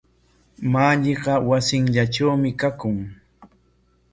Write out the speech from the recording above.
Malliqa wasinllatrawmi kakuq.